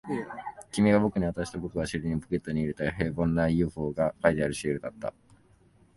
君が僕に渡して、僕が尻にポケットに入れた、平凡な ＵＦＯ が描いてあるシールだった